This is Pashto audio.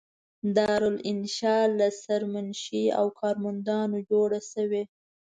دارالانشأ له سرمنشي او کارمندانو جوړه شوې.